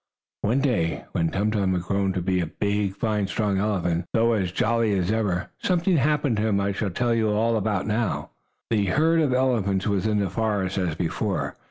One day, when Tum Tum had grown to be a big, fine strong elephant, though as jolly as ever, something happened to him. I shall tell you all about it now. The herd of elephants was in the forest as before.